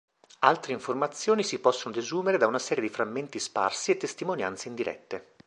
Altre informazioni si possono desumere da una serie di frammenti sparsi e testimonianze indirette.